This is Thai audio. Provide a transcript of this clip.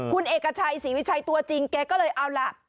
คุณเอกชัยศรีวิชัยตัวจริงแกก็เลยเอาล่ะ